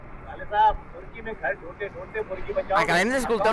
ه زه د دوو مئينو زړو بړاس يمه ـ